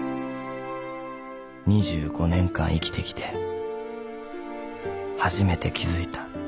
［２５年間生きてきて初めて気付いた］